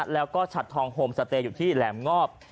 แล้วก็ฉัดทองโฮมสเตย์อยู่ที่แหลมงอบ